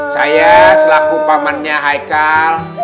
saya selaku pamannya haikal